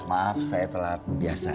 maaf saya telat biasa